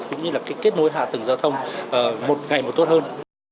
cũng như là cái kết nối hạ tầng giao thông một ngày một tốt hơn